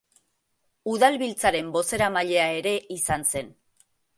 Udalbiltzaren bozeramailea ere izan zen.